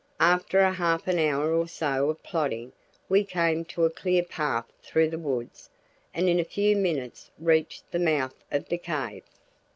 After a half hour or so of plodding we came to a clear path through the woods and in a few minutes reached the mouth of the cave.